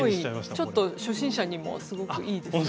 ちょっと初心者にもすごくいいですね。